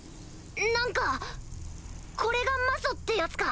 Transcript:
何かこれが魔素ってやつか？